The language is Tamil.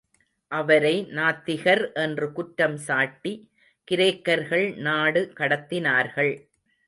அவரை நாத்திகர் என்று குற்றம் சாட்டி, கிரேக்கர்கள் நாடு கடத்தினார்கள்.